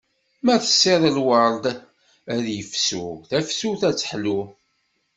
Ma tessiḍ lward ad yefsu, tafsut ad teḥlu.